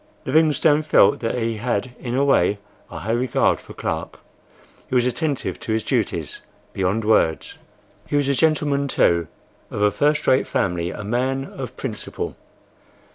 Livingstone felt that he had, in a way, a high regard for Clark. He was attentive to his duties, beyond words. He was a gentleman, too,—of a first rate family—a man of principle.